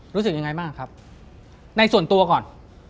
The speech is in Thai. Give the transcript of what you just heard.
รู้สึกยังไงบ้างครับในส่วนตัวก่อน